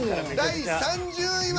第３０位は。